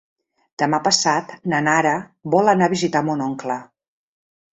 Demà passat na Nara vol anar a visitar mon oncle.